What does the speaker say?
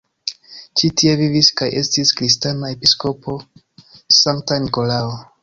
Ĉi-tie vivis kaj estis kristana episkopo Sankta Nikolao.